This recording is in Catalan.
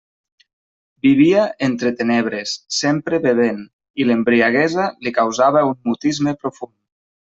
Vivia entre tenebres, sempre bevent, i l'embriaguesa li causava un mutisme profund.